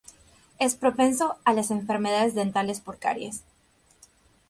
Es propenso a las enfermedades dentales por caries.